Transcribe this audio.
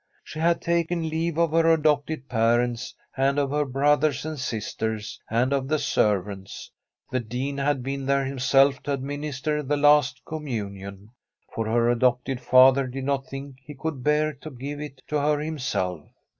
She had taken leave of her adopted parents, and of her brothers and sisters, and of the servants. The Dean had been there himself to administer the last Communion, for her adopted father did not think he could bear to give it to her himself.